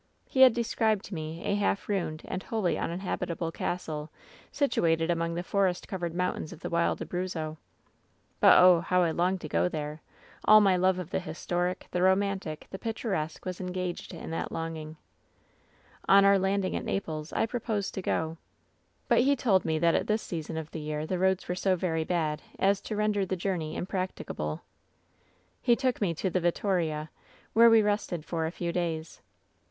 "He had described to me a half ruined and wholly uninhabitable castle situated among the forett oovered mountains of the wild Abruzzo. 172 WHEN SHADOWS DIE "But oh ! how I longed to go there I All my love of the historic, the romantic, the picturesque was engaged in that longing I "On our landing at Naples I proposed to go. "But he told me that at this season of the year the roads were so very bad as to render the journey imprac ticable. "He took me to the 'Vittoria/ where we rested for a few days.